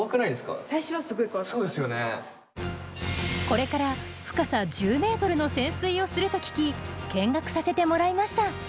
これから深さ１０ｍの潜水をすると聞き見学させてもらいました。